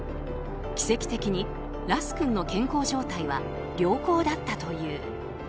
奇跡的にラス君の健康状態は良好だったという。